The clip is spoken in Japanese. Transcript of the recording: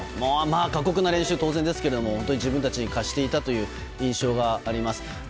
過酷な練習を当然ですけれども自分たちに課していたという印象があります。